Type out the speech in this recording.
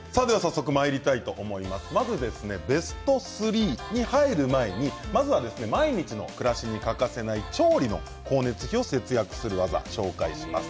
まずベスト３に入る前に毎日の暮らしに欠かせない調理の光熱費を節約する技を紹介します。